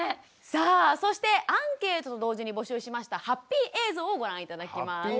さあそしてアンケートと同時に募集しましたハッピー映像をご覧頂きます。